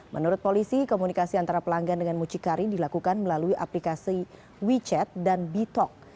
menurut polisi komunikasi antara pelanggan dengan mucikari dilakukan melalui aplikasi wechat dan bitok